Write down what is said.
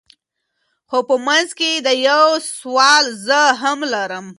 خو په منځ کي دا یو سوال زه هم لرمه